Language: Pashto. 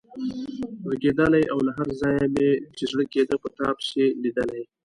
غږېدلای او له هر ځایه مې چې زړه کېده په تا پسې لیدلی.